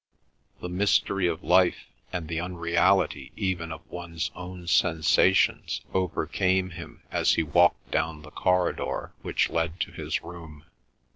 The mystery of life and the unreality even of one's own sensations overcame him as he walked down the corridor which led to his room.